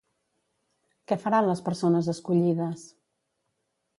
Què faran les persones escollides?